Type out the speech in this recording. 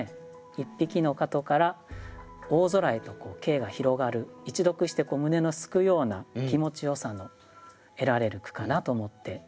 一匹の蝌蚪から大空へと景が広がる一読して胸のすくような気持ちよさの得られる句かなと思って注目しました。